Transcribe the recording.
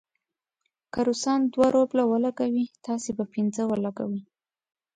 که روسان دوه روبله ولګوي، تاسې به پنځه ولګوئ.